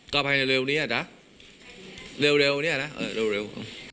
ก็ไปเร็วเร็วนี้อะจ๊ะเร็วเร็วนี้อะนะเอ่อเร็วเร็ว